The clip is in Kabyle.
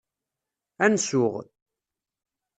Ad nsuɣ.